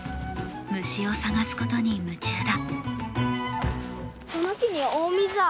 虫を探すことに夢中だ。